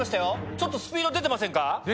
ちょっとスピード出てませんか？